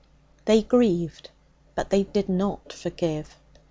They grieved, but they did not forgive.